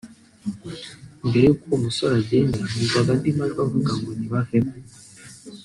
Mbere y’uko uwo musore agenda numvaga andi majwi avuga ngo ‘nibavemo